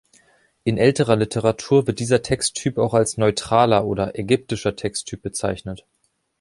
In älterer Literatur wird dieser Texttyp auch als neutraler oder ägyptischer Texttyp bezeichnet.